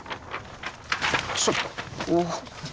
ちょっとおおっ。